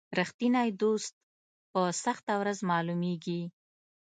رښتینی دوست په سخته ورځ معلومیږي.